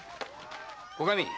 女将。